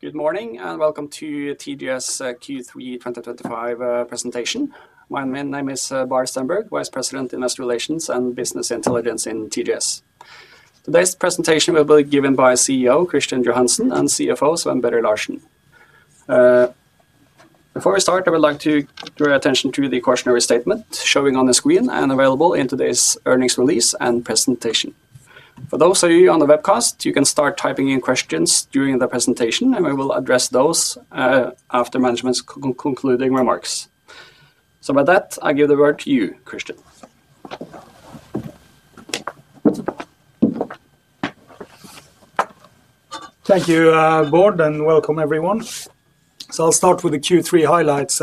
Good morning and welcome to TGS Q3 2025 presentation. My name is Bård Stenberg, Vice President, Industry Relations and Business Intelligence in TGS. Today's presentation will be given by CEO Kristian Johansen and CFO Sven Børre Larsen. Before we start, I would like to draw your attention to the cautionary statement showing on the screen and available in today's earnings release and presentation. For those of you on the webcast, you can start typing in questions during the presentation and we will address those after management's concluding remarks. With that, I give the word to you, Kristian. Thank you, Bård, and welcome everyone. I'll start with the Q3 highlights.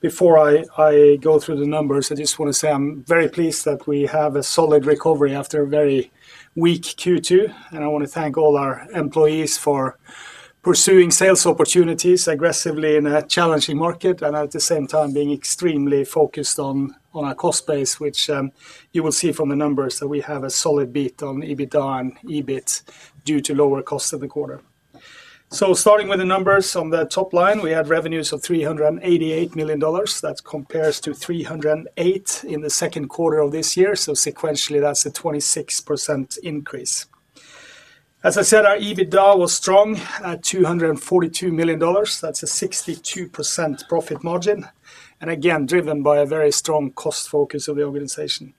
Before I go through the numbers, I just want to say I'm very pleased that we have a solid recovery after a very weak Q2. I want to thank all our employees for pursuing sales opportunities aggressively in a challenging market and at the same time being extremely focused on our cost base, which you will see from the numbers that we have a solid beat on EBITDA and EBIT due to lower cost in the quarter. Starting with the numbers on the top line, we had revenues of $388 million. That compares to $308 million in the second quarter of this year. Sequentially, that's a 26% increase. As I said, our EBITDA was strong at $242 million. That's a 62% profit margin, again driven by a very strong cost focus of the organization.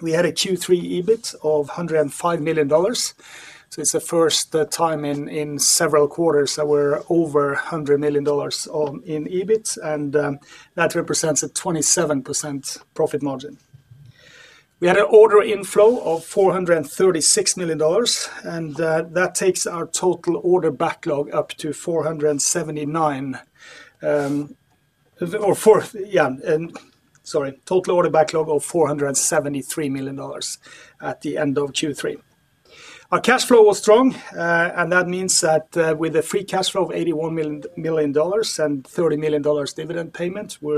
We had a Q3 EBIT of $105 million. It's the first time in several quarters that we're over $100 million in EBIT, and that represents a 27% profit margin. We had an order inflow of $436 million, and that takes our total order backlog up to $473 million. At the end of Q3, our cash flow was strong. That means that with a free cash flow of $81 million and $30 million dividend payment, we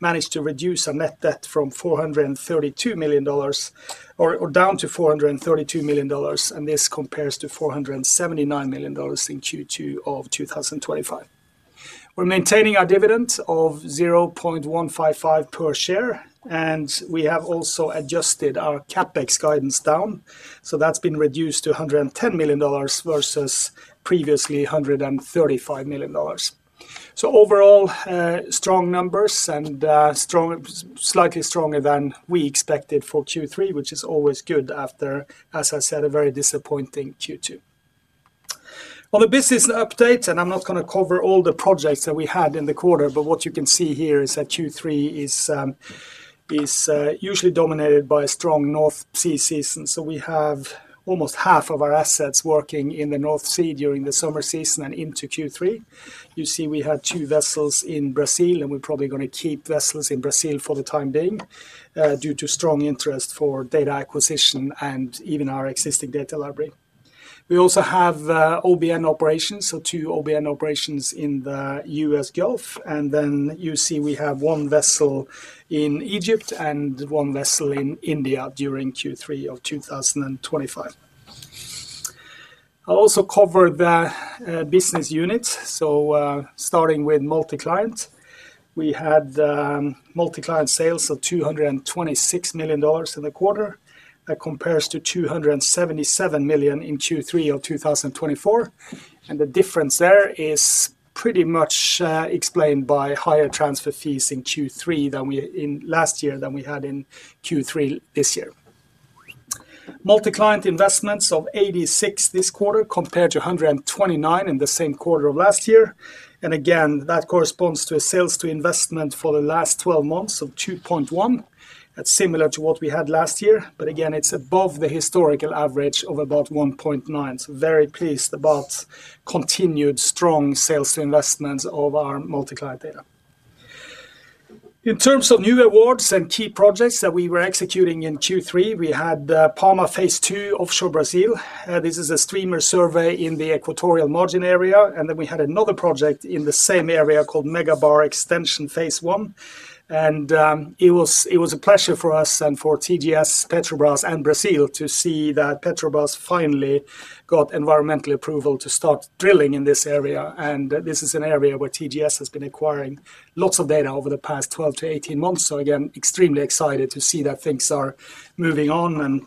managed to reduce our net debt from $479 million down to $432 million. This compares to $479 million in Q2 of 2025. We're maintaining our dividend of $0.155 per share. We have also adjusted our capex guidance down, so that's been reduced to $110 million versus previously $135 million. Overall, strong numbers and slightly stronger than we expected for Q3, which is after a very disappointing Q2. On the business update, I'm not going to cover all the projects that we had in the quarter. What you can see here is that Q3 is usually dominated by a strong North Sea season. We have almost half of our assets working in the North Sea during the summer season and into Q3. You see we had two vessels in Brazil, and we're probably going to keep vessels in Brazil for the time being due to strong interest for data acquisition and even our existing data library. We also have OBN operations, so two OBN operations in the US Gulf. You see we have one vessel in Egypt and one vessel in India during Q3 of 2025. I'll also cover the business units. Starting with multi-client, we had multi-client sales of $226 million in the quarter. That compares to $277 million in Q3 of 2020. The difference there is pretty much explained by higher transfer fees in Q3 last year than we had in Q3 this year. Multi-client investments of $86 million this quarter compared to $129 million in the same quarter of last year. That corresponds to a sales-to-investment for the last 12 months of 2.1. That's similar to what we had last year, but it's above the historical average of about 1.9. Very pleased about continued strong sales-to-investment of our multi-client data in terms of new awards and key projects that we were executing in Q3. We had Palma Phase 2, offshore Brazil. This is a streamer survey in the equatorial margin area. We had another project in the same area called Megabar Extension Phase 1. It was a pleasure for us and for TGS, Petrobras, and Brazil to see that Petrobras finally got environmental approval to start the drilling in this area. This is an area where TGS has been acquiring lots of data over the past 12 to 18 months. Extremely excited to see that things are moving on.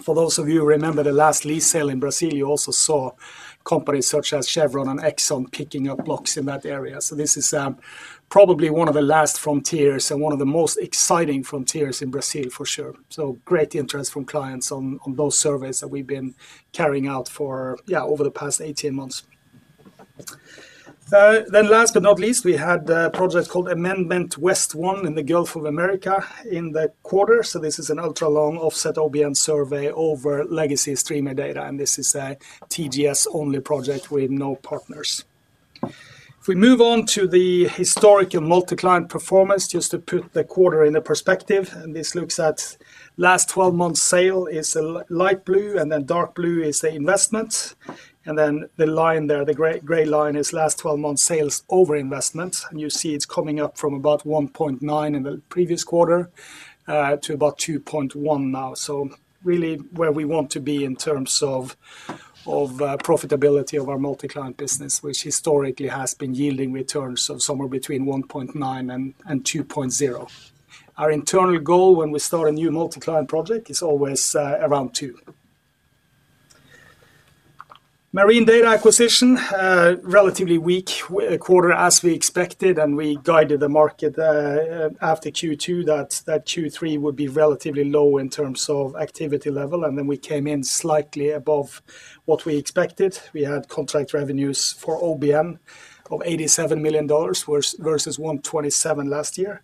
For those of you who remember the last lease sale in Brazil, you also saw companies such as Chevron and Exxon picking up blocks in that area. This is probably one of the last frontiers and one of the most exciting frontiers in Brazil for sure. Great interest from clients on those surveys that we've been carrying out for over the past 18 months. Last but not least, we had a project called Amendment West 1 in the Gulf of Mexico in the quarter. This is an ultra long offset OBN survey over legacy streamer data. This is a TGS-only project with no partners. If we move on to the historical multi-client performance, just to put the quarter into perspective, this looks at last 12 months sales as light blue and then dark blue is the investment and then the line there, the gray line, is last 12 months sales over investment and you see it's coming up from about 1.9 in the previous quarter to about 2.1 now. Really where we want to be in terms of profitability of our multi-client business, which historically has been yielding returns of somewhere between 1.9 and 2.0. Our internal goal when we start a new multi-client project is always around 2. Marine data acquisition was a relatively weak quarter as we expected and we guided the market after Q2 that Q3 would be relatively low in terms of activity level. We came in slightly above what we expected. We had contract revenues for OBN of $87 million versus $127 million last year.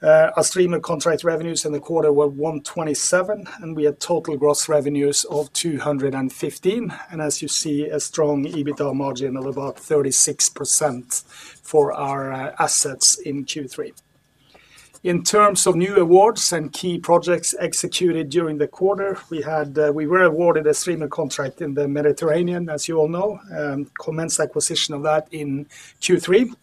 Our streamer contract revenues in the quarter were $127 million, and we had total gross revenues of $200 million. You see a strong EBITDA margin of about 36% for our assets in Q3. In terms of new awards and key projects executed during the quarter, we were awarded a streamer contract in the Mediterranean, as you all know, commenced acquisition of that in Q3.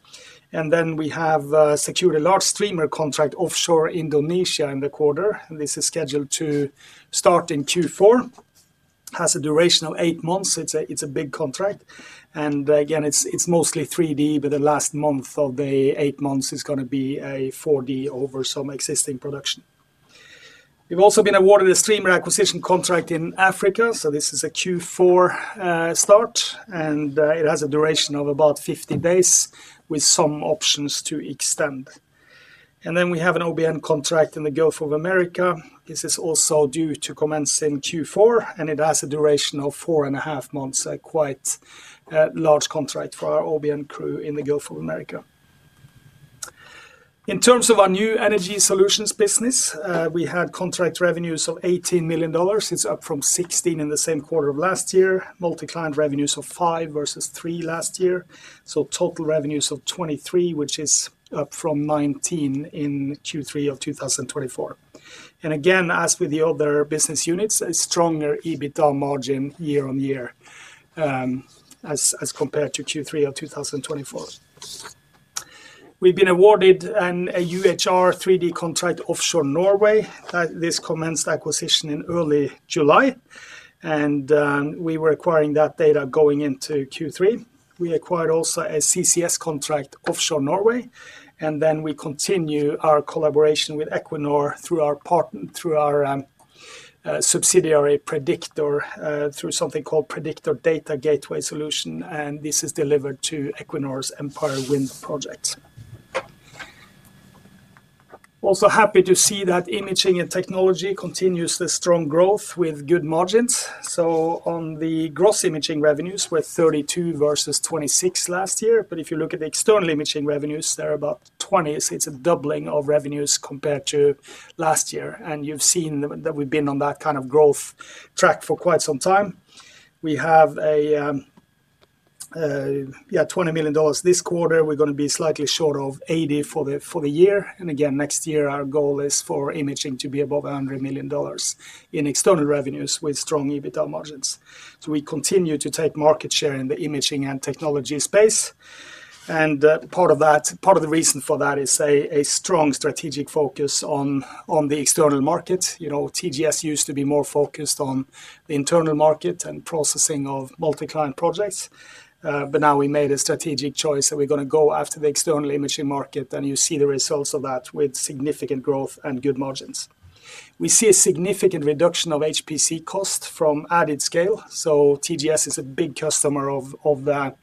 We have secured a large streamer contract offshore Indonesia in the quarter. This is scheduled to start in Q4 and has a duration of eight months. It's a big contract and it's mostly 3D, but the last month of the eight months is going to be a 4D over some existing production. We've also been awarded a streamer acquisition contract in Africa. This is a Q4 start and it has a duration of about 50 days with some options to extend. We have an OBN contract in the Gulf of Mexico. This is also due to commence in Q4 and it has a duration of four and a half months. A quite large contract for our OBN crew in the Gulf of Mexico. In terms of our new energy solutions business, we had contract revenues of $18 million, up from $16 million in the same quarter of last year. Multi-client revenues of $5 million versus $3 million last year. Total revenues of $23 million, which is up from $19 million in Q3 of 2023, and as with the other business units, a stronger EBITDA margin year on year as compared to Q3 of 2023. We've been awarded a UHR 3D contract offshore Norway. This commenced acquisition in early July and we were acquiring that data going into Q3. We acquired also a CCS contract offshore Norway. We continue our collaboration with Equinor through our subsidiary Predictor, through something called Predictor Data Gateway Solution. This is delivered to Equinor's Empire Wind project. Happy to see that imaging and technology continues the strong growth with good margins. On the gross imaging revenues were $32 million versus $26 million last year. If you look at the external imaging revenues, they're about $20 million, so it's a doubling of revenues compared to last year. You've seen that we've been on that kind of growth track for quite some time. We have a $20 million this quarter. We're going to be slightly short of $80 million for the year, and next year our goal is for imaging to be above $100 million in external revenues with strong EBITDA margins. We continue to take market share in the imaging and technology space. Part of the reason for that is a strong strategic focus on the external market. You know, TGS used to be more focused on the internal market and processing of multi-client projects, but now we made a strategic choice that we're going to go after the external imaging market and you see the results of that with significant growth and good margins. We see a significant reduction of HPC cost from added scale. TGS is a big customer of that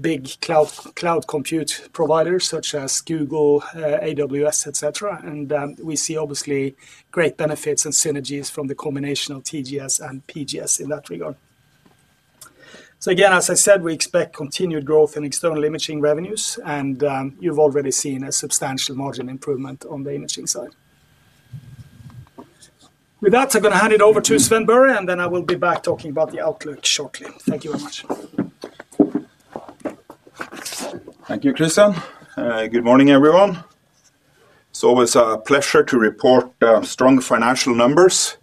big cloud compute provider, such as Google, AWS, et cetera, and we see obviously great benefits and synergies from the combination of TGS and PGS in that regard. Again, as I said, we expect continued growth in external imaging revenues and you've already seen a substantial margin improvement on the imaging side. With that, I'm going to hand it over to Sven Børre and then I will be back talking about the outlook shortly. Thank you very much. Thank you, Kristian. Good morning everyone. It's always a pleasure to report strong financial numbers.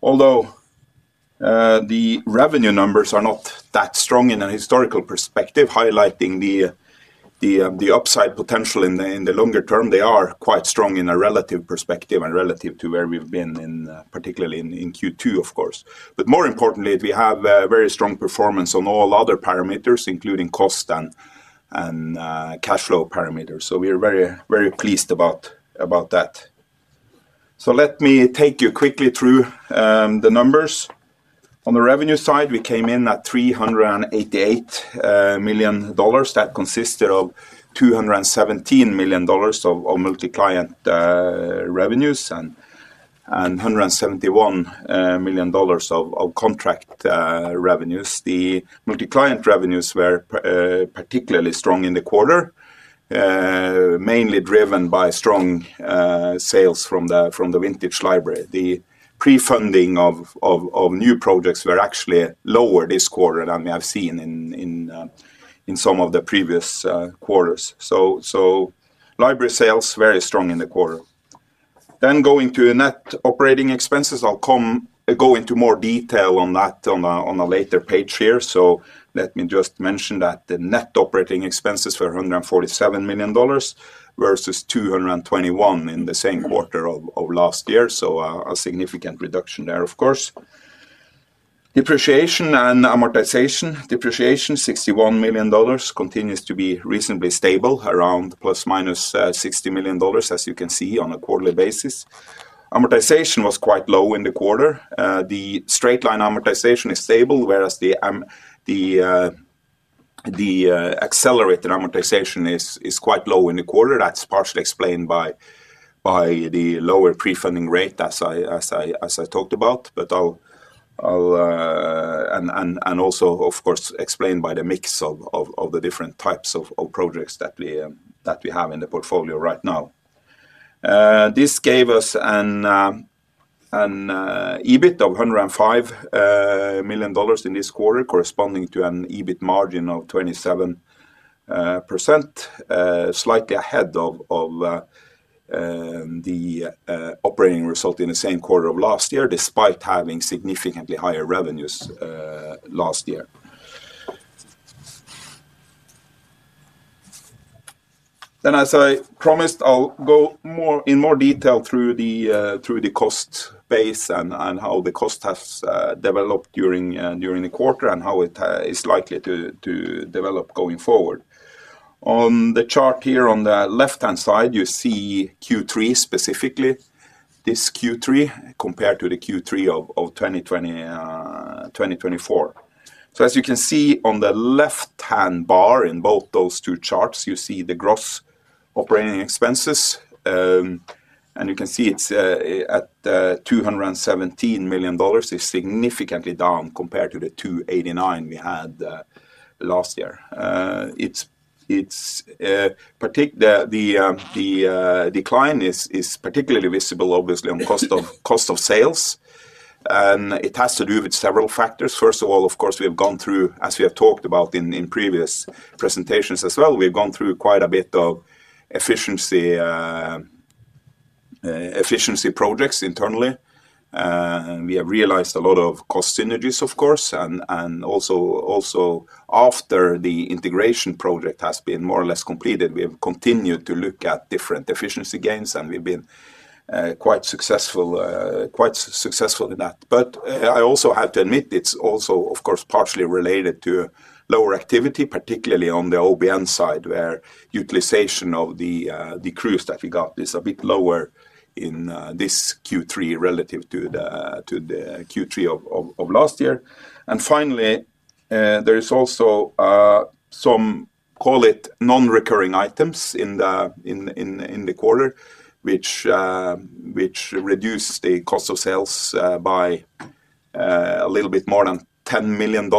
Although the revenue numbers are not that strong in a historical perspective, highlighting the upside potential in the longer term, they are quite strong in a relative perspective and relative to where we've been, particularly in Q2, of course. More importantly, we have very strong performance on all other parameters, including cost and cash flow parameters. We are very pleased about that. Let me take you quickly through the numbers on the revenue side. We came in at $388 million. That consisted of $217 million of multi-client revenues and $171 million of contract revenues. The multi-client revenues were particularly strong in the quarter, mainly driven by strong sales from the Vintage library. The pre-funding of new projects was actually lower this quarter than we have seen in some of the previous quarters. Library sales were very strong in the quarter. Going to net operating expenses, I'll go into more detail on that on a later page here. Let me just mention that the net operating expenses were $147 million versus $221 million in the same quarter of last year, so a significant reduction there. Depreciation and amortization: depreciation at $61 million continues to be reasonably stable around $60 million as you can see on a quarterly basis. Amortization was quite low in the quarter. The straight-line amortization is stable, whereas the accelerated amortization is quite low in the quarter. That's partially explained by the lower pre-funding rate as I talked about and also of course explained by the mix of the different types of projects that we have in the portfolio right now. This gave us an EBIT of $105 million in this quarter, corresponding to an EBIT margin of 27%, slightly ahead of the operating result in the same quarter of last year despite having significantly higher revenues last year. As I promised, I'll go in more detail through the cost base and how the cost has developed during the quarter and how it is likely to develop going forward. On the chart here on the left-hand side you see Q3, specifically this Q3 compared to the Q3 of 2024. As you can see on the left-hand bar in both those two charts you see the gross operating expenses and you can see it's at $217 million, significantly down compared to the $289 million we had last year. The decline is particularly visible, obviously, on cost of sales and it has to do with several factors. First of all, of course, we have gone through, as we have talked about in previous presentations as well, we've gone through quite a bit of efficiency projects internally. We have realized a lot of cost synergies, of course, and also after the integration project has been more or less completed, we have continued to look at different efficiency gains and we've been quite successful in that. I also have to admit it's also, of course, partially related to lower activity, particularly on the OBN side where utilization of the crews that we got is a bit lower in this Q3 relative to the Q3 of last year. Finally, there is also some, call it, non-recurring items in the quarter which reduced the cost of sales by a little bit more than $10 million.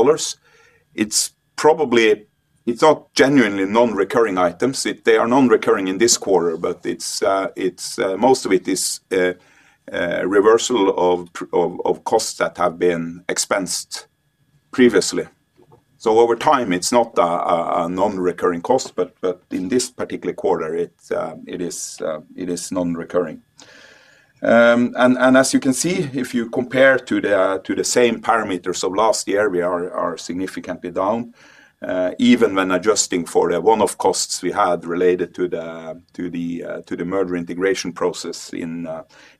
It's probably, it's not genuinely non-recurring items, they are non-recurring in this quarter. Most of it is reversal of costs that have been expensed previously. Over time, it's not a non-recurring cost, but in this particular quarter, it is non-recurring. As you can see, if you compare to the same parameters of last year, we are significantly down even when adjusting for the one-off costs we had related to the merger integration process in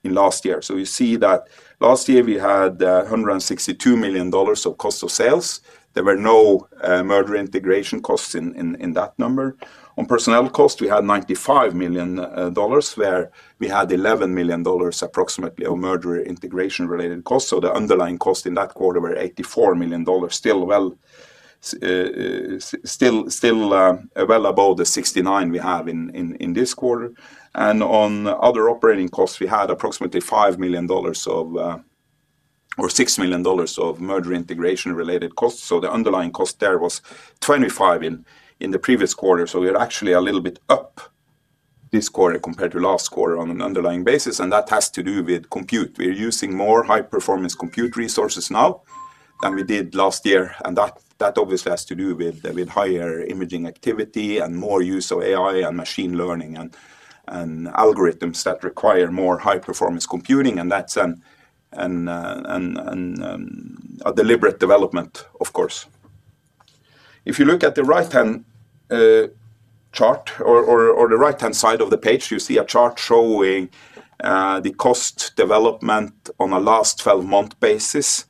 last year. You see that last year we had $162 million of cost of sales. There were no merger integration costs in that number. On personnel cost, we had $95 million, we had $11 million approximately of merger integration related costs. The underlying cost in that quarter were $84 million, still well above the $69 million we have in this quarter. On other operating costs, we had approximately $5 million or $6 million of merger integration related costs. The underlying cost there was $25 million in the previous quarter. We are actually a little bit up this quarter compared to last quarter on an underlying basis, and that has to do with compute. We're using more high performance compute resources now than we did last year, and that obviously has to do with higher imaging activity and more use of AI and machine learning and algorithms that require more high performance computing. That's a deliberate development. Of course, if you look at the right-hand chart or the right-hand side of the page, you see a chart showing the cost development on a last 12 month basis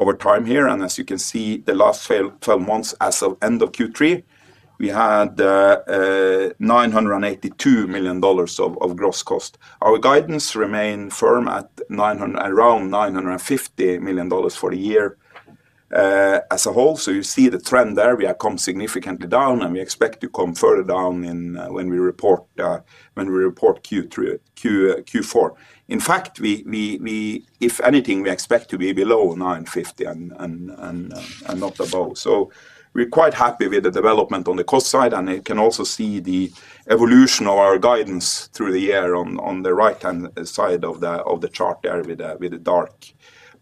over time here. As you can see, the last 12 months as of end of Q3 we had $982 million of gross cost. Our guidance remains firm at around $950 million for the year as a whole. You see the trend there. We have come significantly down and we expect to come further down when we report Q4. In fact, if anything, we expect to be below $950 million and not above. We're quite happy with the development on the cost side. You can also see the evolution of our guidance through the year on the right-hand side of the chart there with the dark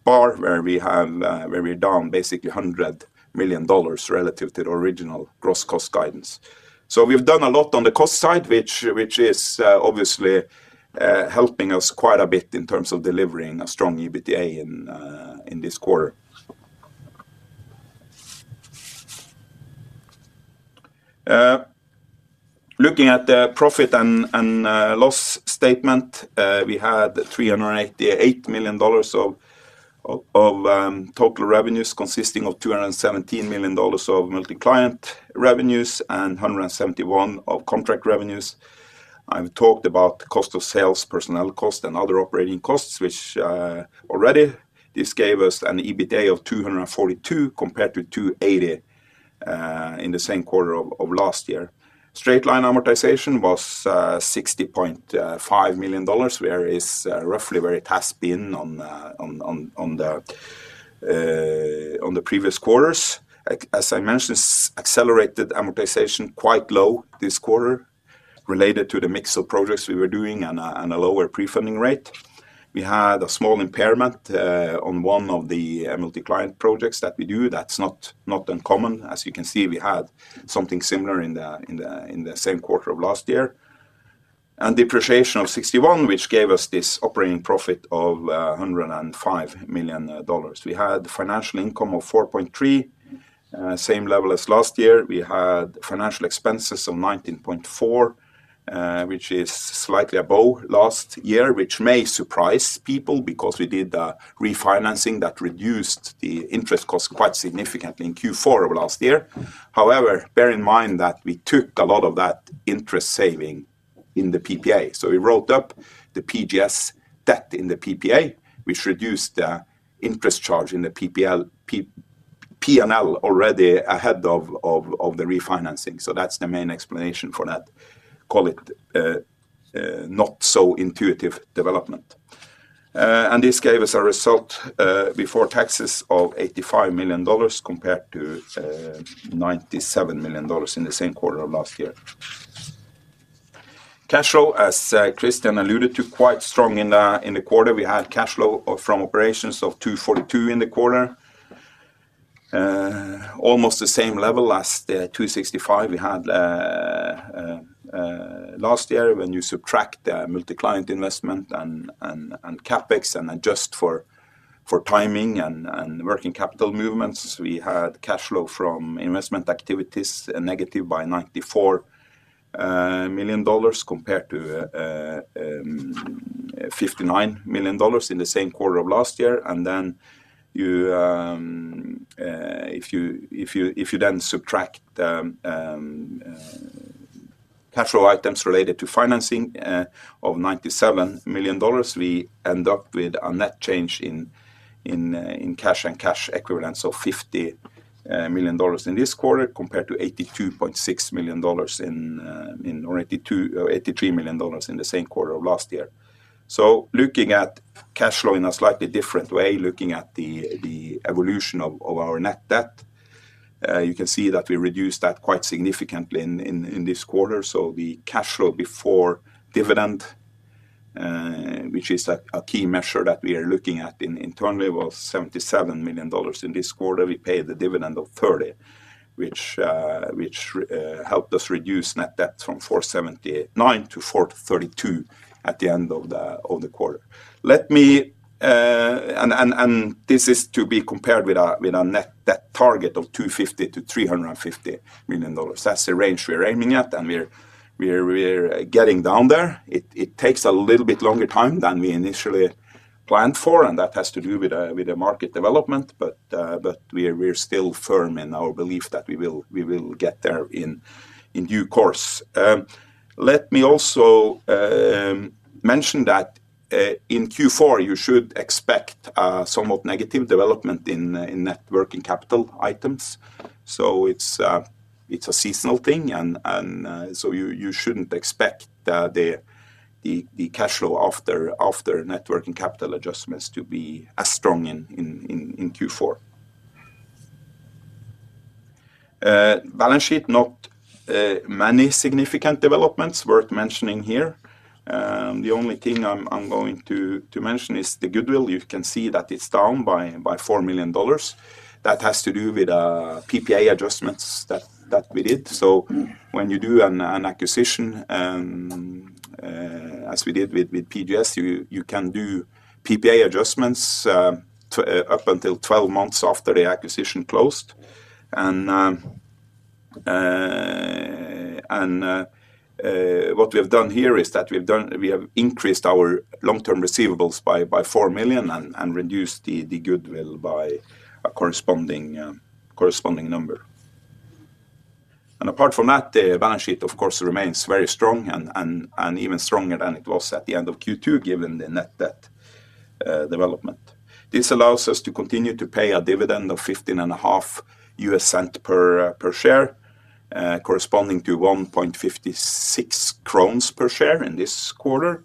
bar where we're down basically $100 million relative to the original gross cost guidance. We've done a lot on the cost side, which is obviously helping us quite a bit in terms of delivering a strong EBITDA in this quarter. Looking at the profit and loss statement, we had $388 million of total revenues consisting of $217 million of multi-client revenues and $171 million of contract revenues. I talked about cost of sales, personnel cost, and other operating costs, which already gave us an EBITDA of $242 million compared to $280 million in the same quarter of last year. Straight-line amortization was $60.5 million, which is roughly where it has been in previous quarters. As I mentioned, accelerated amortization was quite low this quarter related to the mix of projects we were doing and a lower pre-funding rate. We had a small impairment on one of the multi-client projects that we do. That's not uncommon, as you can see we had something similar in the same quarter of last year, and depreciation of $61 million, which gave us this operating profit of $105 million. We had financial income of $4.3 million, same level as last year. We had financial expenses of $19.4 million, which is slightly above last year, which may surprise people because we did refinancing that reduced the interest costs quite significantly in Q4 of last year. However, bear in mind that we took a lot of that interest saving in the PPA. We wrote up the PGS debt in the PPA, which reduced the interest charge in the P&L already ahead of the refinancing. That's the main explanation for that not so intuitive development, and this gave us a result before taxes of $85 million compared to $97 million in the same quarter. Cash flow, as Kristian alluded to, was quite strong in the quarter. We had cash flow from operations of $242 million in the quarter, almost the same level as the $265 million we had last year. When you subtract multi-client investment and CapEx and adjust for timing and working capital movements, we had cash flow from investment activities negative by $94 million compared to $59 million in the same quarter of last year. If you then subtract cash flow items related to financing of $97 million, we end up with a net change in cash and cash equivalents of $50 million in this quarter compared to $82.6 million or $83 million in the same quarter of last year. Looking at cash flow in a slightly different way, looking at the evolution of our net debt, you can see that we reduced that quite significantly in this quarter. The cash flow before dividend, which is a key measure that we are looking at internally, was $77 million. In this quarter we paid the dividend of $30 million, which helped us reduce net debt from $479 million-$432 million at the end of the quarter. This is to be compared with a net debt target of $250 million-$350 million. That's the range we're aiming at and we're getting down there. It takes a little bit longer time than we initially planned for and that has to do with the market development. We're still firm in our belief that we will get there in due course. Let me also mention that in Q4 you should expect somewhat negative development in net working capital items. It's a seasonal thing. You shouldn't expect the cash flow after net working capital adjustments to be as strong in Q4. Balance sheet. Not many significant developments worth mentioning here. The only thing I'm going to mention is the goodwill. You can see that it's down by $4 million. That has to do with PPA adjustments that we did. When you do an acquisition, as we did with PGS, you can do PPA adjustments up until 12 months after the acquisition closed. What we have done here is that we have increased our long-term receivables by $4 million and reduced the goodwill by a corresponding number. Apart from that, the balance sheet of course remains very strong and even stronger than it was at the end of Q2, given the net debt development. This allows us to continue to pay a dividend of $0.155 per share, corresponding to 1.56 per share in this quarter.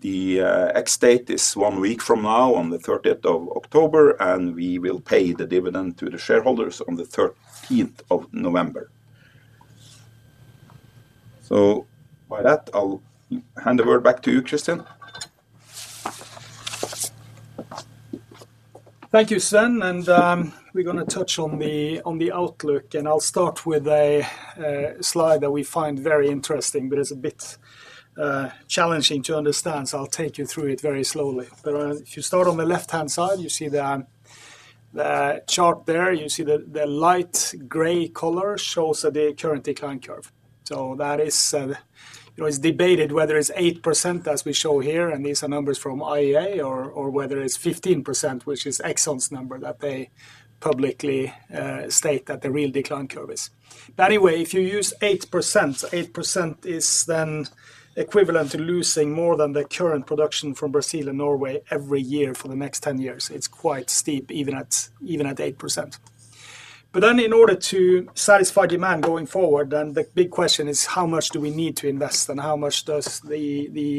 The ex date is one week from now on 30th October and we will pay the dividend to the shareholders on the 13th of November. By that I'll hand the word back to you, Kristian. Thank you, Sven. We're going to touch on the outlook, and I'll start with a slide that we find very interesting, but it's a bit challenging to understand. I'll take you through it very slowly. If you start on the left-hand side, you see the chart there. You see the light gray color shows the current decline curve. That is debated whether it's 8% as we show here, and these are numbers from IEA, or whether it's 15%, which is Exxon's number that they publicly state that the real decline curve is. Anyway, if you use 8%, 8% is then equivalent to losing more than the current production from Brazil and Norway every year for the next 10 years. It's quite steep, even at 8%. In order to satisfy demand going forward, the big question is how much do we need to invest and how much does the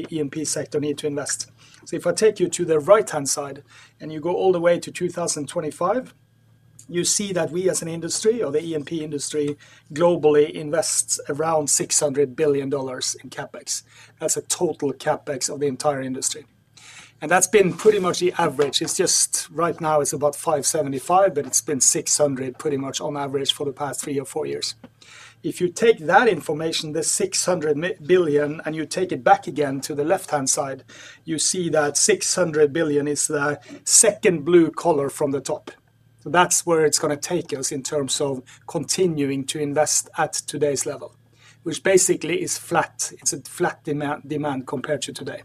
E&P sector need to invest? If I take you to the right-hand side and you go all the way to 2025, you see that we as an industry, or the E&P industry globally, invest around $600 billion in CapEx. That's a total CapEx of the entire industry, and that's been pretty much the average. Right now it's about $575 billion, but it's been $600 billion pretty much on average for three or four years. If you take that information, the $600 billion, and you take it back again to the left-hand side, you see that $600 billion is the second blue color from the top. That's where it's going to take us in terms of continuing to invest at today's level, which basically is flat. It's a flat demand compared to today.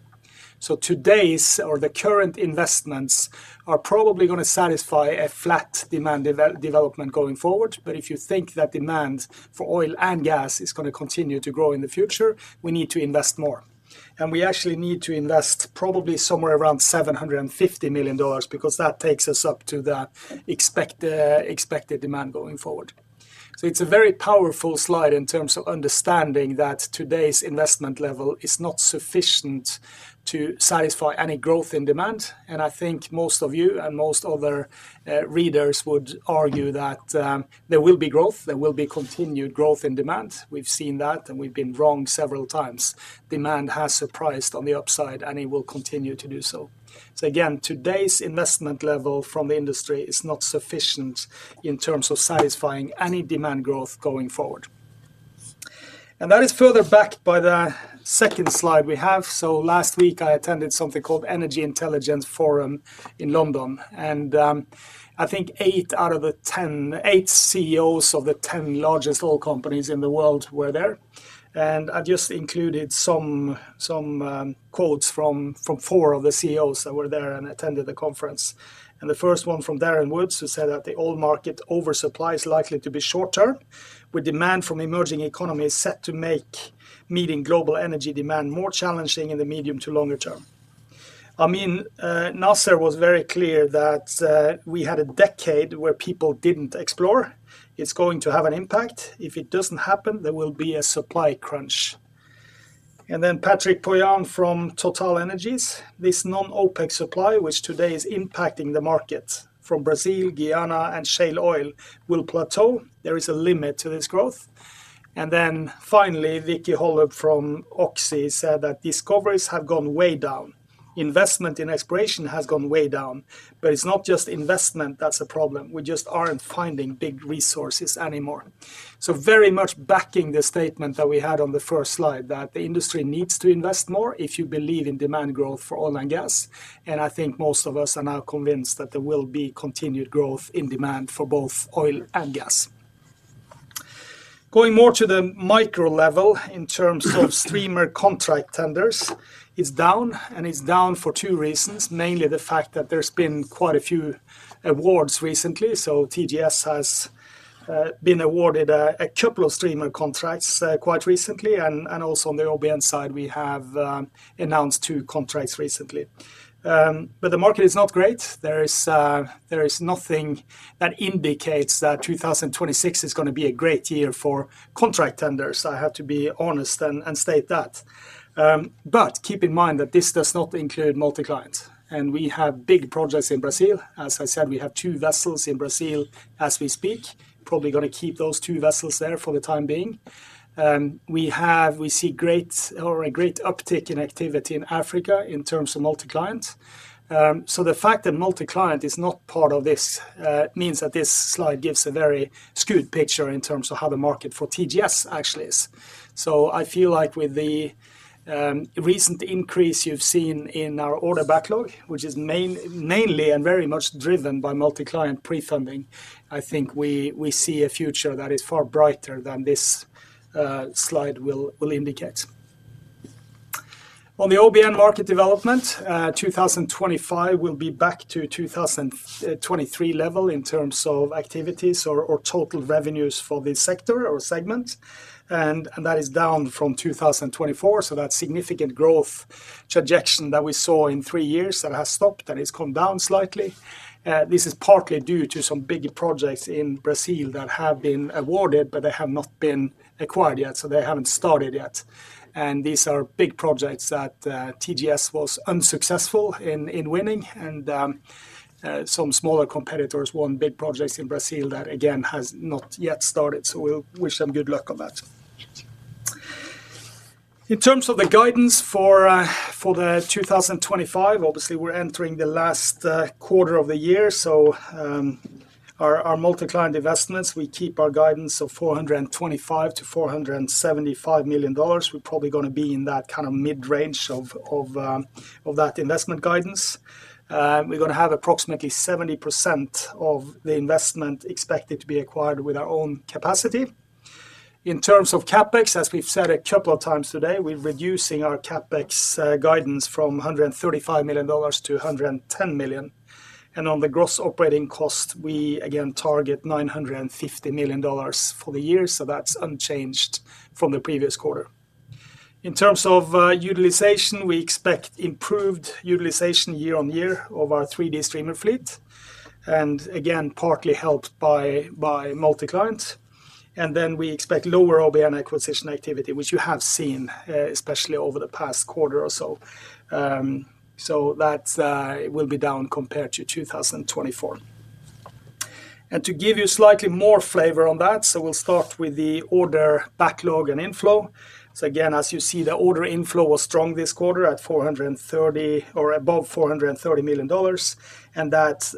Today's or the current investments are probably going to satisfy a flat demand development going forward. If you think that demand for oil and gas is going to continue to grow in the future, we need to invest more, and we actually need to invest probably somewhere around $750 billion because that takes us up to the expected demand going forward. It's a very powerful slide in terms of understanding that today's investment level is not sufficient to satisfy any growth in demand. I think most of you and most other readers would argue that there will be growth, there will be continued growth in demand. We've seen and we've been wrong several times; demand has surprised on the upside, and it will continue to do so. Today's investment level from the industry is not sufficient in terms of satisfying any demand growth going forward. That is further backed by the second slide we have. Last week I attended something called the Energy Intelligence Forum in London. I think 8 out of the 10 CEOs of the 10 largest oil companies in the world were there. I just included some quotes from four of the CEOs that were there and attended the conference. The first one from Darren Woods said that the oil market oversupply is likely to be short term, with demand from emerging economies set to make meeting global energy demand more challenging in the medium to longer term. Nasser was very clear that we had a decade where people didn't explore. It's going to have an impact. If it doesn't happen, there will be a supply crunch. Patrick Pouyanné from TotalEnergies said this non-OPEC supply, which today is impacting the market from Brazil, Guyana, and shale oil, will plateau. There is a limit to this growth. Finally, Vicki Hollub from Oxy said that discoveries have gone way down. Investment in exploration has gone way down. It's not just investment that's a problem. We just aren't finding big resources anymore. This very much backs the statement that we had on the first slide that the industry needs to invest more, if you believe in demand growth for oil and gas. I think most of us are now convinced that there will be continued growth in demand for both oil and gas. Going more to the micro level, in terms of streamer contract tenders, it's down and it's down for two reasons. Mainly the fact that there's been quite a few awards recently. TGS has been awarded a couple of streamer contracts quite recently. Also, on the OBN side, we have announced two contracts recently, but the market is not great. There is nothing that indicates that 2026 is going to be a great year for contract tenders. I have to be honest and state that. Keep in mind that this does not include multi-client, and we have big projects in Brazil. As I said, we have two vessels in Brazil as we speak, probably going to keep those two vessels there for the time being. We see great uptick in activity in Africa in terms of multi-client. The fact that multi-client is not part of this means that this slide gives a very skewed picture in terms of how the market for TGS actually is. I feel like with the recent increase you've seen in our order backlog, which is mainly and very much driven by multi-client pre-funding, we see a future that is far brighter than this slide will indicate on the OBN market development. 2025 will be back to 2023 level in terms of activities or total revenues for this sector or segment, and that is down from 2024. That significant growth trajectory that we saw in three years has stopped and it's come down slightly. This is partly due to some big projects in Brazil that have been awarded, but they have not been acquired yet. They haven't started yet. These are big projects that TGS was unsuccessful in winning, and some smaller competitors won big projects in Brazil that again have not yet started. We'll wish them good luck on that. In terms of the guidance for 2025, obviously we're entering the last quarter of the year. Our multi-client investments, we keep our guidance of $425 million-$475 million. We're probably going to be in that kind of mid-range of that investment guidance. We're going to have approximately 70% of the investment expected to be acquired with our own capacity. In terms of CapEx, as we've said a couple of times today, we're reducing our CapEx guidance from $135 million-$110 million. On the gross operating cost, we again target $950 million for the year. That's unchanged from the previous quarter. In terms of utilization, we expect improved utilization year on year of our 3D streamer fleet, partly helped by multi-client. We expect lower OBN acquisition activity, which you have seen especially over the past quarter or so. That will be down compared to 2024, and to give you slightly more flavor on that, we'll start with the order backlog and inflow. As you see, the order inflow was strong this quarter at above $430 million, and that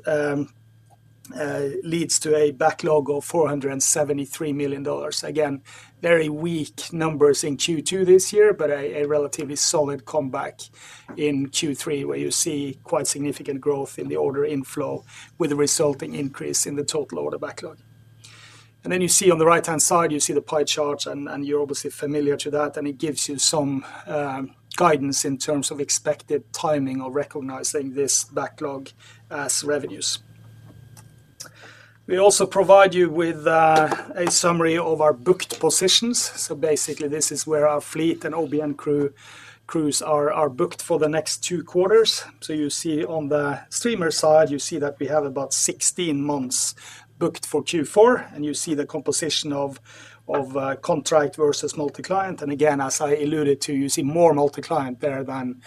leads to a backlog of $473 million. Very weak numbers in Q2 this year, but a relatively solid comeback in Q3 where you see quite significant growth in the order inflow with the resulting increase in the total order backlog. On the right-hand side, you see the pie chart and you're obviously familiar with that, and it gives you some guidance in terms of expected timing of recognizing this backlog as revenues. We also provide you with a summary of our booked positions. Basically, this is where our fleet and OBN crews are booked for the next two quarters. On the streamer side, you see that we have about 16 months booked for Q4 and you see the composition of contract versus multi-client. As I alluded to, you see more multi-client there than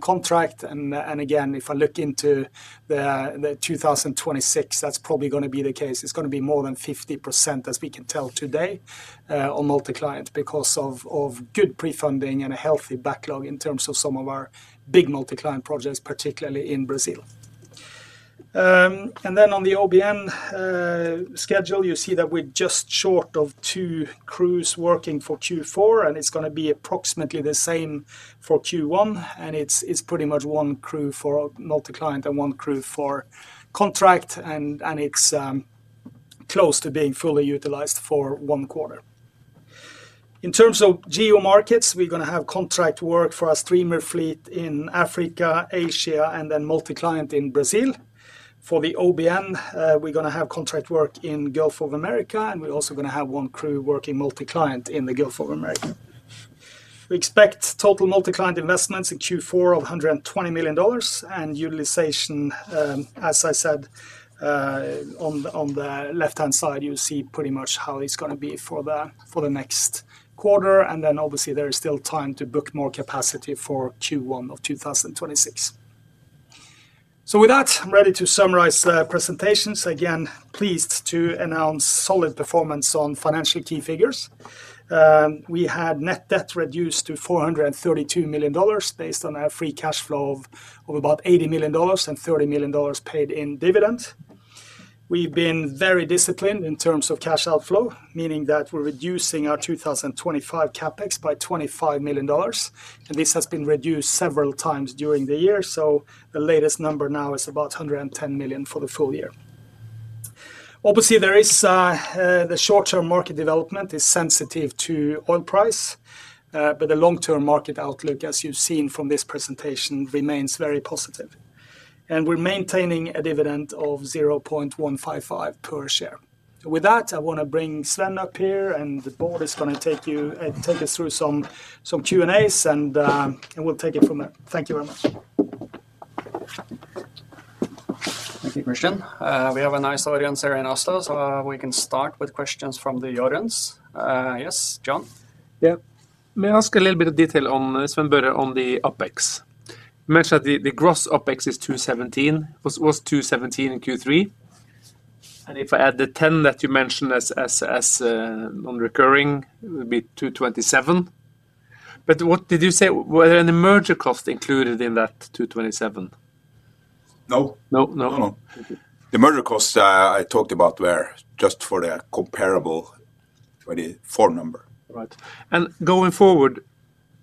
contract. If I look into 2026, that's probably going to be the case. It's going to be more than 50% as we can tell today on multi-client because of good pre-funding and a healthy backlog in terms of some of our big multi-client projects, particularly in Brazil. On the OBN schedule, you see that we're just short of two crews working for Q4 and it's going to be approximately the same for Q1. It's pretty much one crew for multi-client and one crew for contract, and it's close to being fully utilized for one quarter. In terms of geo markets, we're going to have contract work for our streamer fleet in Africa and Asia, and then multi-client in Brazil. For the OBN, we're going to have contract work in the Gulf of Mexico, and we're also going to have one crew working multi-client in the Gulf of Mexico. We expect total multi-client investments in Q4 of $120 million, and utilization, as I said on the left-hand side, you see pretty much how it's going to be for the next quarter. Obviously, there is still time to book more capacity for Q1 of 2026. With that, I'm ready to summarize presentations again. Pleased to announce solid performance on financial key figures. We had net debt reduced to $432 million based on our free cash flow of about $80 million and $30 million paid in dividend. We've been very disciplined in terms of cash outflow, meaning that we're reducing our 2025 capex by $25 million. This has been reduced several times during the year. The latest number now is about $110 million for the full year. Obviously, the short-term market development is sensitive to oil price, but the long-term market outlook, as you've seen from this presentation, remains very positive. We're maintaining a dividend of $0.155 per share. With that, I want to bring Sven up here, and the board is going to take you, take us through some Q&As, and we'll take it from there. Thank you very much. Thank you, Kristian. We have a nice audience here in Oslo, so we can start with questions from the audience. Yes, John? Yeah. May I ask a little bit of detail on Sven Børre on the OPEX? Mention that the gross OPEX is $217 million. Was $217 million in Q3 and if I add the $10 million that you mentioned as non-recurring it would be $227 million. What did you say? Were there any merger costs included in that $227 million? No, no, no. The merger cost I talked about were just for the comparable 2024 number. Right. Going forward,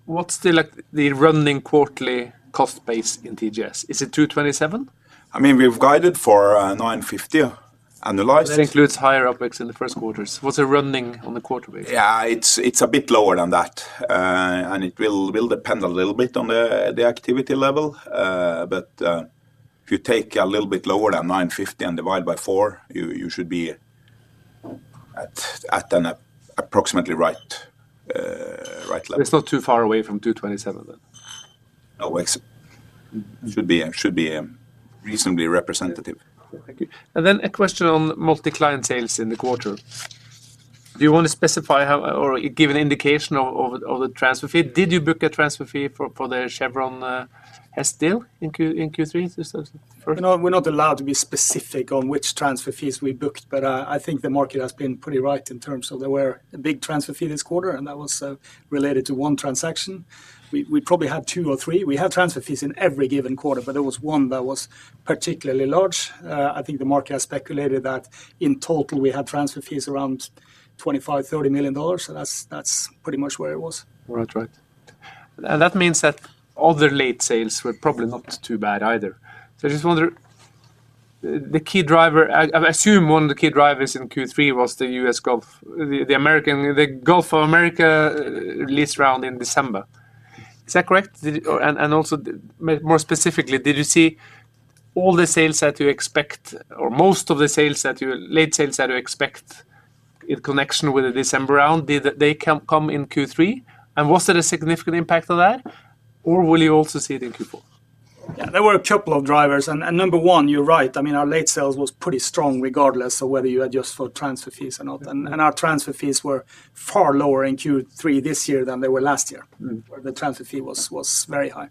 what's the running quarterly cost base in TGS? Is it $227 million? I mean we've guided for $950 million annualized. That includes higher OPEX in the first quarter. What's it running on the quarter base? Yeah, it's a bit lower than that, and it will depend a little bit on the activity level. If you take a little bit lower than $950 and divide by 4, you should be at an approximately. It's not too far away from 227. No, should be reasonably representative. A question on multi-client sales in the quarter. Do you want to specify how or give an indication of the transfer fee? Did you book a transfer fee for the Chevron Hess deal in Q3? We're not allowed to be specific on which transfer fees we booked, but I think the market has been pretty right in terms of there were a big transfer fee this quarter, and that was related to one transaction. We probably had two or three. We had transfer fees in every given quarter, but there was one that was particularly large. I think the market has speculated that in total we had transfer fees around $25 million, $30 million. That's pretty much where it was, right? Right. That means that other late sales were probably not too bad either. I just wonder, the key driver, I assume one of the key drivers in Q3 was the U.S. government. The Gulf of Mexico lease round in December, is that correct? Also, more specifically, did you see all the sales that you expect or most of the late sales that you expect in connection with the December round? Did they come in Q3, and was there a significant impact on that, or will you also see it in Q4? There were a couple of drivers and number one, you're right. I mean our late sales was pretty strong regardless of whether you adjust for transfer fees or not. Our transfer fees were far lower in Q3 this year than they were last year. The transfer fee was very high.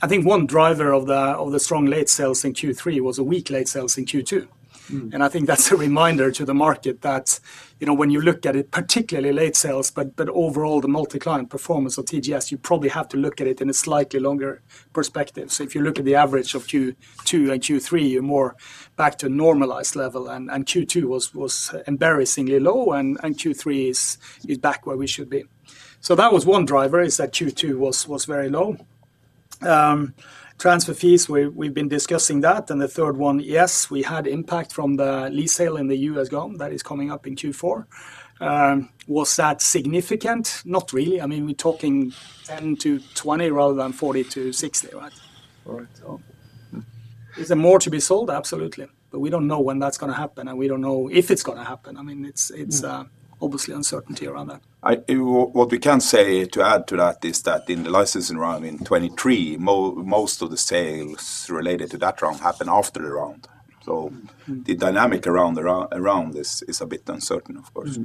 I think one driver of the strong late sales in Q3 was a weak late sales in Q2. I think that's a reminder to the market that when you look at it, particularly late sales, but overall the multi-client performance of TGS, you probably have to look at it in a slightly longer perspective. If you look at the average of Q2 and Q3, you're more back to normalized level and Q2 was embarrassingly low and Q3 is back where we should be. That was one driver is that Q2 was very low transfer fees. We've been discussing that. The third one, yes, we had impact from the lease sale in the U.S. Gulf that is coming up in Q4. Was that significant? Not really. I mean we're talking $10 million-$20 million rather than $40 million-$60 million. Is there more to be sold? Absolutely. We don't know when that's going to happen and we don't know if it's going to happen. I mean it's obviously uncertainty around that. What we can say to add to that is that in the licensing round in 2023, most of the sales related to that round happen after the round. The dynamic around is a bit uncertain, of course,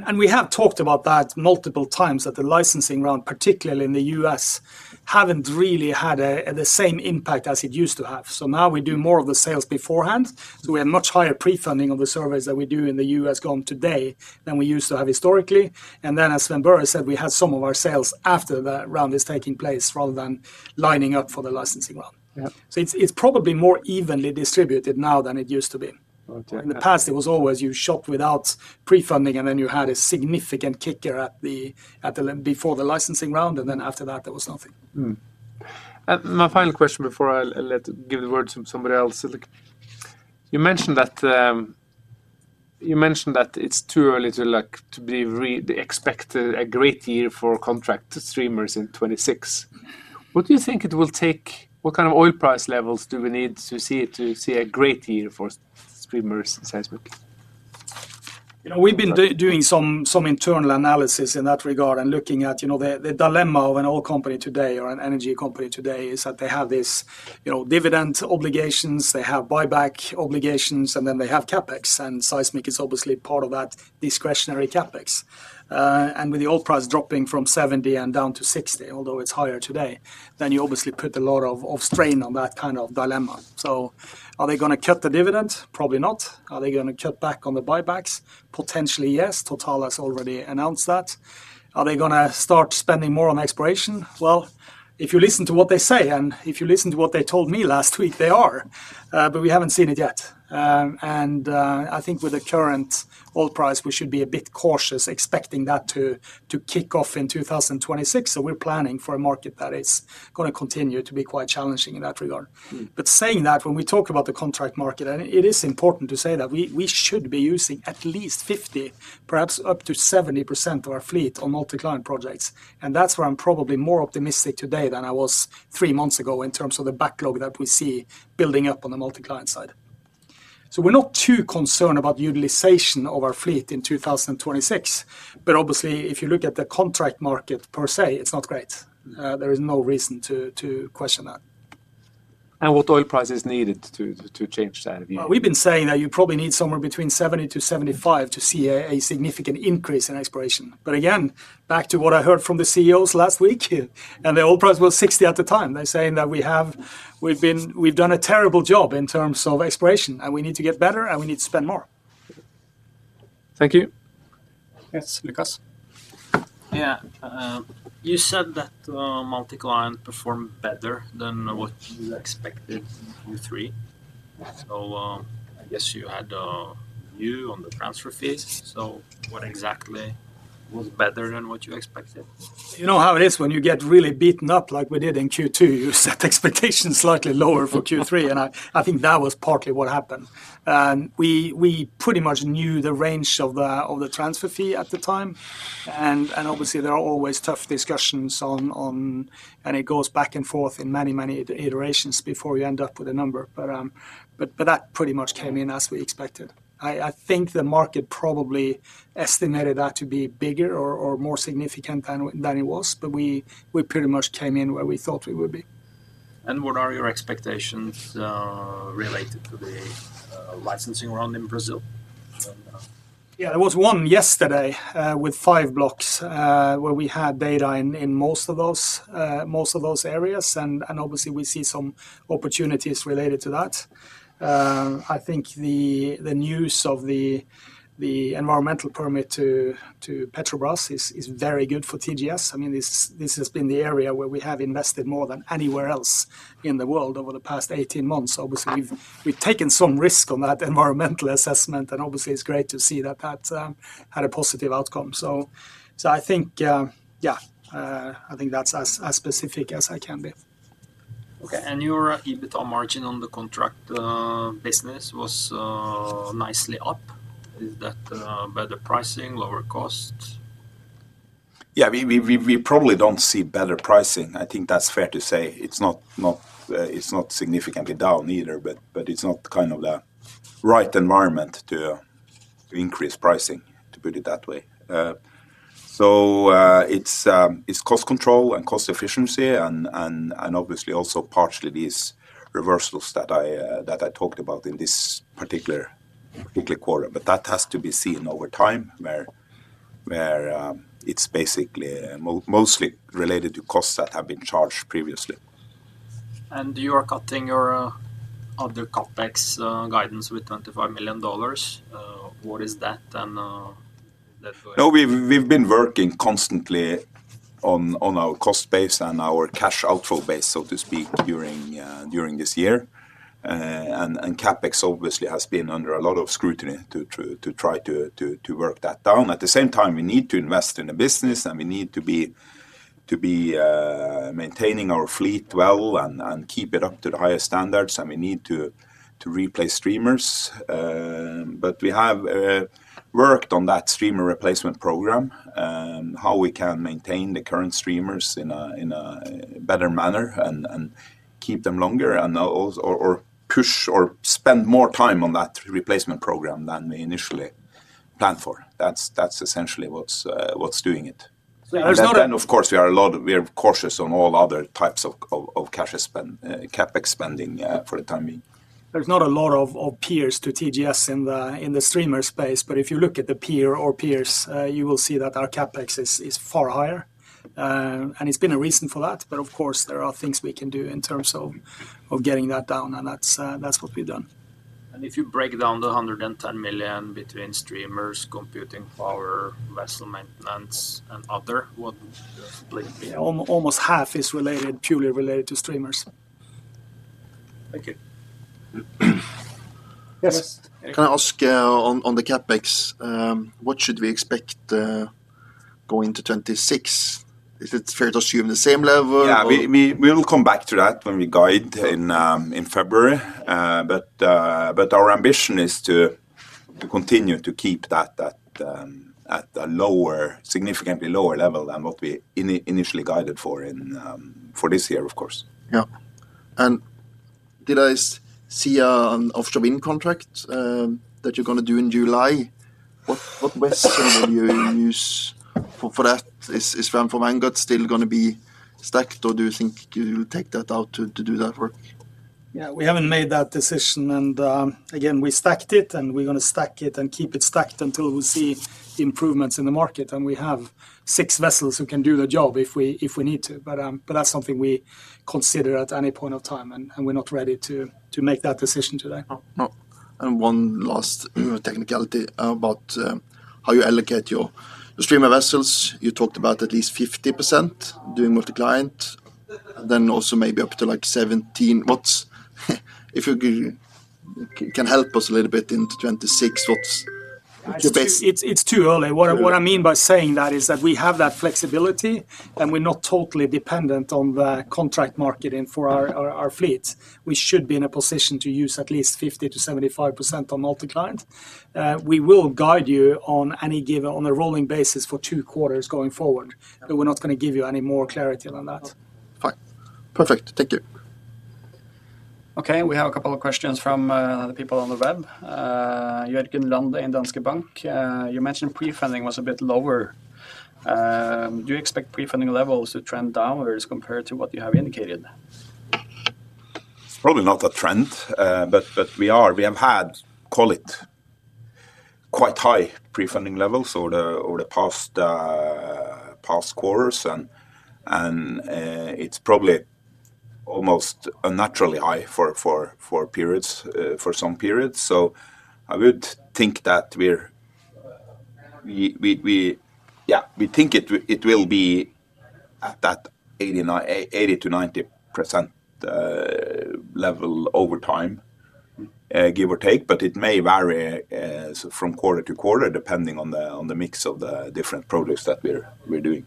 and we have talked. about that multiple times at the licensing round, particularly in the U.S., haven't really had the same impact as it used to have. Now we do more of the sales beforehand. We have much higher pre-funding of the surveys that we do in the U.S. Gulf of Mexico today than we used to have historically. As Sven Børre said, we had some of our sales after the round has taken place rather than lining up for the licensing round. It's probably more evenly distributed now than it used to be. In the past, it was always you shop without pre-funding and then you had a significant kicker before the licensing round, and after that there was nothing. My final question before I give the word to somebody else. You mentioned that it's too early to really expect a great year for contract streamers in 2026. What do you think it will take? What kind of oil price levels do we need to see to see a great year for streamers in seismic? You know, we've been doing some internal analysis in that regard and looking at, you know, the dilemma of an oil company today or an energy company today is that they have this dividend obligations, they have buyback obligations, and then they have CapEx. Seismic is obviously part of that discretionary CapEx. With the oil price dropping from $70 and down to $60, although it's higher today, you obviously put a lot of strain on that kind of dilemma. Are they going to cut the dividend? Probably not. Are they going to cut back on the buybacks? Potentially yes. Total has already announced that. Are they going to start spending more on exploration? If you listen to what they say and if you listen to what they told me last week, they are, but we haven't seen it yet. I think with the current oil price we should be a bit cautious expecting that to kick off in 2026. We're planning for a market that is going to continue to be quite challenging in that regard. Saying that, when we talk about the contract market, it is important to say that we should be using at least 50%, perhaps up to 70% of our fleet on multi-client projects. That's where I'm probably more optimistic today than I was three months ago in terms of the backlog that we see building up on the multi-client side. We're not too concerned about utilization of our fleet in 2026. Obviously, if you look at the contract market per se, it's not great. There is no reason to question that. What oil price is needed to change that? We've been saying that you probably need somewhere between $70-$75 to see a significant increase in exploration. Again, back to what I heard from the CEOs last week, and the oil price was $60 at the time. They're saying that we've done a terrible job in terms of exploration and we need to get better and we need to spend more. Thank you. Yes. Lukas? Yeah. You said that multi-client performed better than what you expected in Q3, so I guess you had a view on the transfer phase. What exactly was better than what you expected? You know how it is when you get really beaten up like we did in Q2. You set expectations slightly lower for Q3, and I think that was partly what happened. We pretty much knew the range of the transfer fee at the time, and obviously there are always tough discussions, and it goes back and forth in many, many iterations before you end up with a number. That pretty much came in as we expected. I think the market probably estimated that to be bigger or more significant than it was, but we pretty much came in where we thought we would be. What are your expectations related to the licensing round in Brazil? Yeah, there was one yesterday with five blocks where we had data in most of those areas. Obviously, we see some opportunities related to that. I think the news of the environmental permit to Petrobras is very good for TGS. I mean, this has been the area where we have invested more than anywhere else in the world over the past 18 months. Obviously, we've taken some risk on that environmental assessment, and it's great to see that had a positive outcome. I think that's as specific as I can be. Okay. Your EBITDA margin on the contract business was nicely up. Is that better price, lower cost? Yeah, we probably don't see better pricing. I think that's fair to say. It's not significantly down either, but it's not kind of the right environment to increase pricing, to put it that way. It's cost control and cost efficiency, and obviously also partially these reversals that I talked about in this particular quarter. That has to be seen over time, where it's basically mostly related to costs that have been charged previously. You are cutting your other capex guidance by $25 million. What is that? No, we've been working constantly on our cost base and our cash outflow base, so to speak, during this year. CapEx obviously has been under a lot of scrutiny to try to work that down. At the same time, we need to invest in the business and we need to be maintaining our fleet well and keep it up to the highest standards. We need to replace streamers. We have worked on that streamer replacement program, how we can maintain the current streamers in a better manner and keep them longer or push or spend more time on that replacement program than we initially planned for. That's essentially what's doing it. Of course, we are cautious on all other types of CapEx spending for the time being. There's not a lot of peers to TGS in the streamer space, but if you look at the peer or peers, you will see that our CapEx is far higher, and it's been a reason for that. Of course, there are things we can do in terms of getting that down, and that's what we've done. If you break down the $110 million between streamers, computing power, vessel maintenance. Almost half is purely related to streamers. Thank you. Yes Can I ask, on the capex, what should we expect going to 2026, is it fair to assume the same level? We will come back to that when we guide in February, but our ambition is to continue to keep that at a significantly lower level than what we initially guided for this year. Of course. Did I see an offshore wind contract that you're going to do in July? What vessel will you use for that? Is Ramform Vanguard still going to be stacked, or do you think you take that out to do that work? We haven't made that decision. We stacked it, and we're going to stack it and keep it stacked until we see improvements in the market. We have six vessels who can do the job if we need to. That's something we consider at any point of time, and we're not ready to make that decision today. One last technicality about how you allocate your stream of vessels. You talked about at least 50% doing multi-client, then also maybe up to like 17%. If you can help us a little bit into 2026, what's... It's too early. What I mean by saying that is that we have that flexibility, flexibility, and we're not totally dependent on the contract marketing for our fleet. We should be in a position to use at least 50%-75% on multi-client. We will guide you on any given, on a rolling basis for two quarters going forward. We're not going to give you any more clarity than that. Fine. Perfect. Thank you. Okay, we have a couple of questions from the people on the web. Thank you. You mentioned pre-funding was a bit lower. Do you expect pre-funding levels to trend downwards compared to what you have indicated? It's probably not a trend, but we have had, call it, quite high pre-funding levels over the past quarters, and it's probably almost naturally high for some periods. I would think that we think it will be at that 80 to 90% level over time, give or take. It may vary from quarter to quarter depending on the mix of the different projects that we're doing.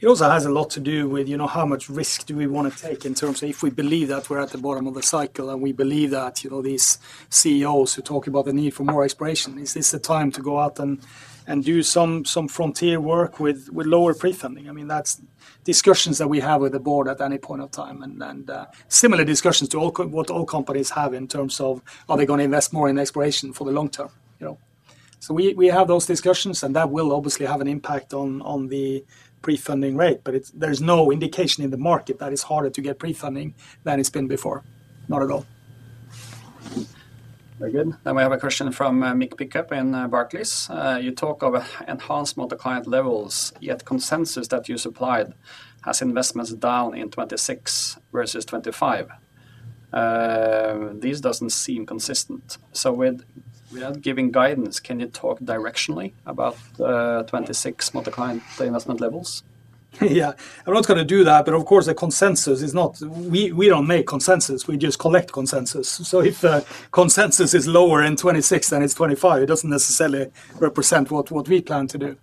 It also has a lot to do with, you know, how much risk do we want to take in terms of if we believe that we're at the bottom of the cycle and we believe that, you know, these CEOs who talk about the need for more exploration. Is this the time to go out and do some frontier work with lower pre-funding? That's discussions that we have with the board at any point of time and similar discussions to what all companies have in terms of are they going to invest more in exploration for the long term. We have those discussions and that will obviously have an impact on the pre-funding rate. There's no indication in the market that it's harder to get pre-funding than it's been before. Not at all. Very good. We have a question from Mick Pickup in Barclays. You talk of enhancement client levels, yet consensus that you supplied has investments down in 2026 versus 2025. This doesn't seem consistent. Without giving guidance, can you talk directionally about 2026 multi-client investment levels? Yeah, I'm not going to do that. Of course, the consensus is not. We don't make consensus, we just collect consensus. If the consensus is lower in 2026 than it is in 2025, it doesn't necessarily represent what we plan to do.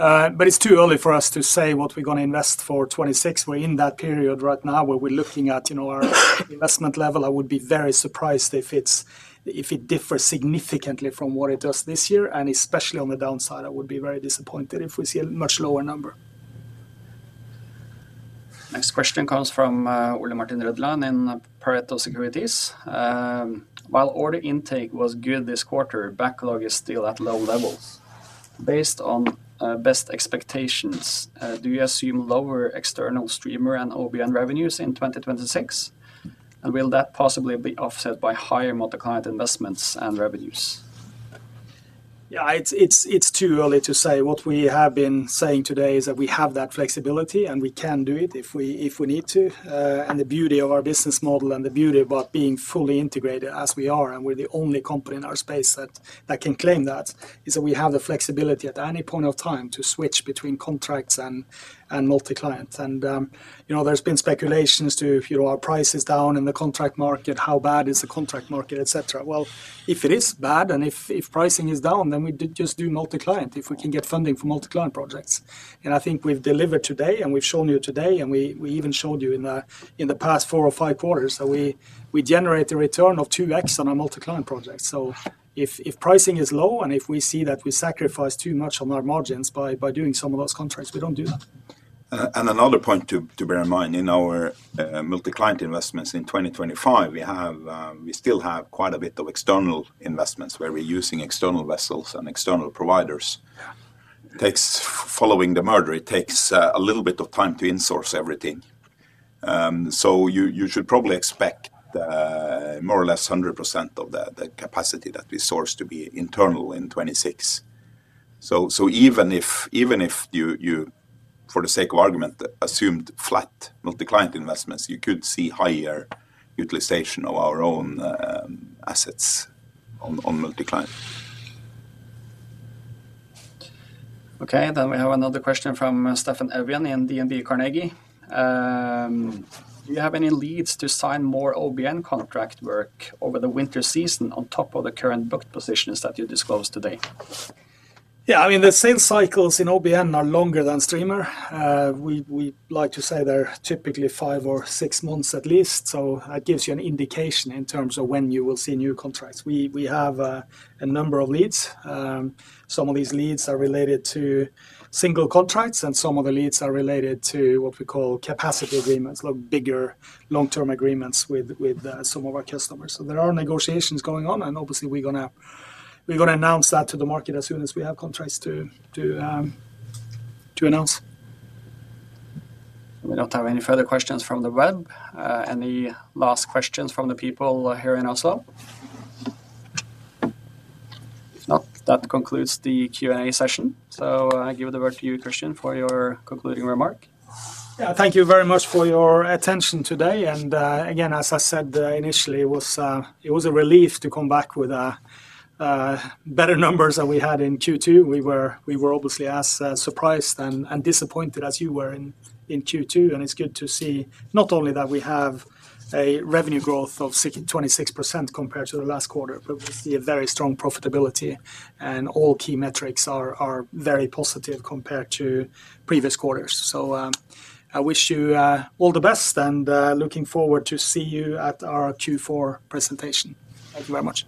It's too early for us to say what we're going to invest for 2026. We're in that period right now where we're looking at our investment level. I would be very surprised if it differs significantly from what it does this year. Especially on the downside, I would be very disappointed if we see a much lower number. Next question comes from Ulia Martin Redlan in Pareto Securities. While order intake was good this quarter, backlog is still at low levels. Based on best expectations, do you assume lower external streamer and OBN revenues in 2026, and will that possibly be offset by higher multi-client investments and revenues? Yeah, it's too early to say. What we have been saying today is that we have that flexibility and we can do it if we need to. The beauty of our business model and the beauty about being fully integrated as we are, and we're the only company in our space that can claim that, is that we have the flexibility at any point of time to switch between contracts and multi-client. There's been speculations to our prices down in the contract market. How bad is the contract market, etc. If it is bad and if pricing is down, then we just do multi-client. If we can get funding for multi-client projects, and I think we've delivered today and we've shown you today, and we even showed you in the past four or five quarters that we generate a return of 2x on our multi-client project. If pricing is low and if we see that we sacrifice too much on our margins by doing some of those contracts, we don't do that. Another point to bear in mind in our multi-client investments in 2025, we still have quite a bit of external investments where we're using external vessels and external providers. Following the merger, it takes a little bit of time to insource everything. You should probably expect more or less 100% of the capacity that we source to be internal in 2026. Even if you, for the sake of argument, assumed flat multi-client investments, you could see higher utilization of our own assets on multi-client. Okay, then we have another question from Stefan Ebion in DNB Carnegie. Do you have any leads to sign more OBN contract work over the winter season on top of the current booked positions that you disclosed today? Yeah, I mean the sales cycles in OBN are longer than streamer. We like to say they're typically five or six months at least. It gives you an indication in terms of when you will see new contracts. We have a number of leads. Some of these leads are related to single contracts and some of the leads are related to what we call capacity agreements, bigger long-term agreements with some of our customers. There are negotiations going on and obviously we're going to announce that to the market as soon as we have contracts to announce. We don't have any further questions from the web. Any last questions from the people here in Oslo? If not, that concludes the Q and A session. I give it over to you, Kristian, for your concluding remark. Thank you very much for your attention today. As I said initially, it was a relief to come back with better numbers than we had in Q2. We were obviously as surprised and disappointed as you were in Q2, and it's good to see not only that we have a revenue growth of 26% compared to the last quarter, but we see a very strong profitability and all key metrics are very positive compared to previous quarters. I wish you all the best and look forward to see you at our Q4 presentation. Thank you very much.